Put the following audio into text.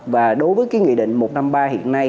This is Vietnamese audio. và đối với cái nghị định một trăm năm mươi ba hiện nay